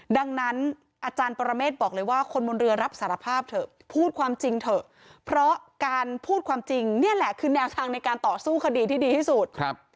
ดังนั้นอาจารย์ปรเมฆบอกเลยว่าคนบนเรือรับสารภาพเถอะพูดความจริงเถอะเพราะการพูดความจริงนี่แหละคือแนวทางในการต่อสู้คดีที่ดีที่สุด